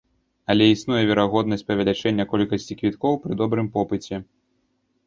Але існуе верагоднасць павелічэння колькасці квіткоў пры добрым попыце.